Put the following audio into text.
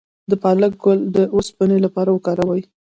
د پالک ګل د اوسپنې لپاره وکاروئ